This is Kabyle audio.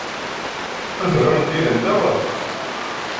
Ad urarent yid-nteɣ?